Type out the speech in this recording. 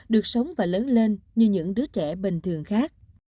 được sống và lớn lên như những đứa trẻ bình thường khác